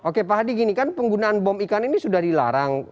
oke pak hadi gini kan penggunaan bom ikan ini sudah dilarang